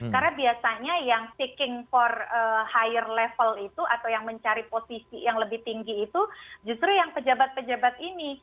karena biasanya yang seeking for higher level itu atau yang mencari posisi yang lebih tinggi itu justru yang pejabat pejabat ini